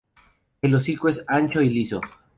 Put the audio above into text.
El hocico es ancho y liso.